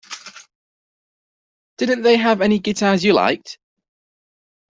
Didn't they have any guitars you liked?